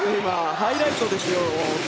ハイライトですよ。